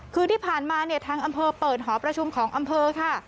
คือที่ผ่านมาเนี่ยทางอำเภอเปิดหอประชุมของอำเภอค่ะ